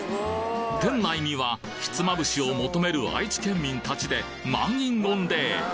店内にはひつまぶしを求める愛知県民たちで満員御礼。